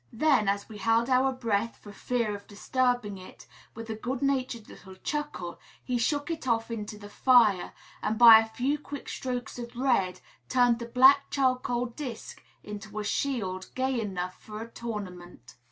Then, as we held our breath for fear of disturbing it, with a good natured little chuckle, he shook it off into the fire, and by a few quick strokes of red turned the black charcoal disk into a shield gay enough for a tournament.